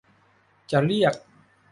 จะเรียก